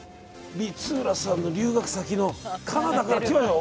光浦さんの留学先のカナダから。